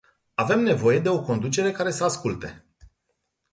Avem nevoie de o conducere care să asculte.